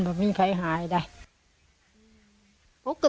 ไม่มีเคยมาแหละ